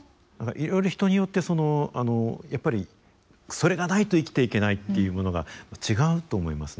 いろいろ人によってそのやっぱりそれがないと生きていけないっていうものが違うと思いますのでね。